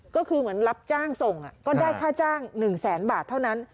ก็คือเหมือนรับจ้างส่งก็ได้ค่าจ้าง๑แสนบาทเท่านั้น